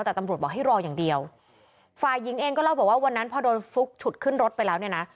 แต่ตำรวจบอกให้รออย่างเดียวฝ่ายหญิงเองก็เล่าบอกว่าวันนั้นพอโดนฟลุกฉุดขึ้นรถไปแล้วเนี่ยนะ